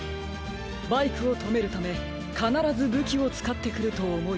バイクをとめるためかならずぶきをつかってくるとおもい。